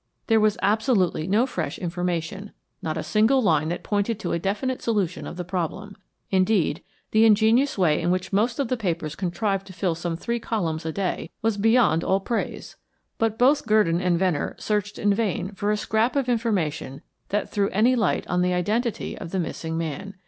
There was absolutely no fresh information, not a single line that pointed to a definite solution of the problem. Indeed, the ingenious way in which most of the papers contrived to fill some three columns a day was beyond all praise. But both Gurdon and Venner searched in vain for a scrap of information that threw any light on the identity of the missing man.